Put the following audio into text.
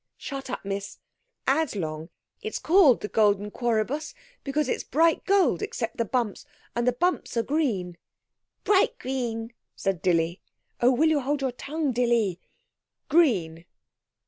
'(Shut up, miss!) As long. It's called the golden quoribus because it's bright gold, except the bumps; and the bumps are green.' 'Bright green,' said Dilly. '(Oh, will you hold your tongue, Dilly?) Green.'